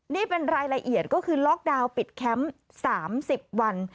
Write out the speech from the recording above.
นี่เป็นรายละเอียดก็คือล็อกดาวน์ปิดแคมป์๓๐วัน